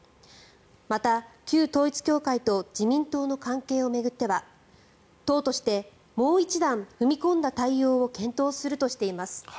また、旧統一教会と自民党の関係を巡っては党としてもう一段踏み込んだ対応を検討するとしています。